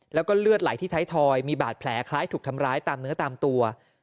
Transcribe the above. แล้วก็เลือดไหลที่ไทยทอยมีบาดแผลคล้ายถูกทำร้ายตามเนื้อตามตัว